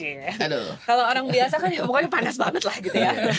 kalau orang biasa kan pokoknya panas banget lah gitu ya